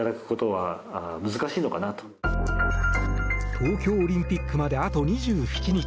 東京オリンピックまであと２７日。